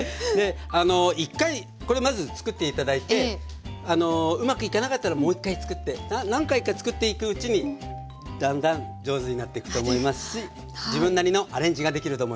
１回これまずつくって頂いてうまくいかなかったらもう１回つくって何回かつくっていくうちにだんだん上手になっていくと思いますし自分なりのアレンジができると思います。